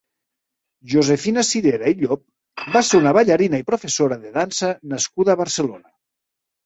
Josefina Cirera i Llop va ser una ballarina i professora de dansa nascuda a Barcelona.